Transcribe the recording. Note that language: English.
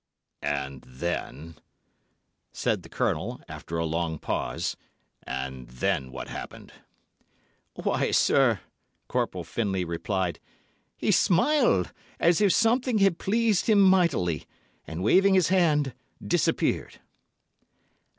"And then," said the Colonel, after a long pause, "and then what happened?" "Why, sir," Corporal Findlay replied, "he smiled, as if something had pleased him mightily, and waving his hand—disappeared."